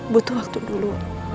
butuh waktu dulu